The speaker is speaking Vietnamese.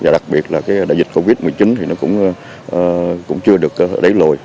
đặc biệt là đại dịch covid một mươi chín cũng chưa được đẩy lùi